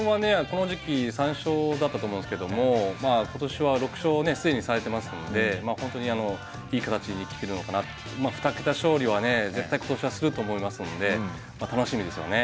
この時期３勝だったと思うんですけどもまあ今年は６勝をね既にされてますのでまあ本当にいい形に来てるのかな２桁勝利はね絶対今年はすると思いますのでまあ楽しみですよね。